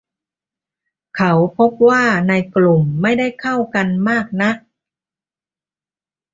เขาพบว่าในกลุ่มไม่ได้เข้ากันมากนัก